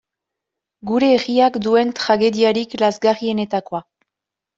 Gure herriak duen tragediarik lazgarrienetakoa.